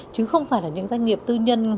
chứ không phải là những doanh nghiệp tư nhân